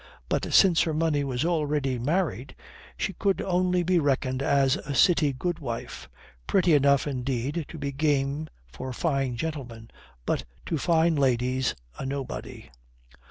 But since her money was already married she could only be reckoned as a city goodwife; pretty enough, indeed, to be game for fine gentlemen, but to fine ladies a nobody.